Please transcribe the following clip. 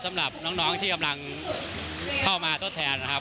สำหรับน้องที่กำลังเข้ามาทดแทนนะครับ